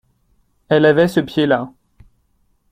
Elle avait ce pied-là.